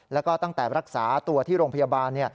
แล้วก็ตั้งแต่รักษาตัวที่โรงพยาบาล